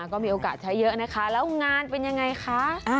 ก็มีโอกาสใช้เยอะนะคะแล้วงานเป็นยังไงคะ